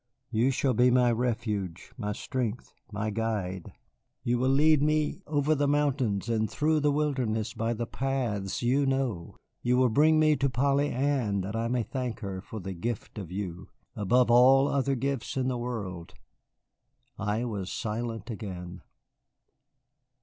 You shall be my refuge, my strength, my guide. You will lead me over the mountains and through the wilderness by the paths you know. You will bring me to Polly Ann that I may thank her for the gift of you, above all other gifts in the world." I was silent again.